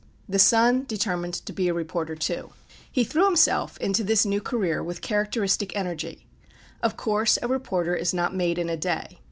The son determined to be a reporter too. He threw himself into this new career with characteristic energy. Of course a reporter is not made in a day.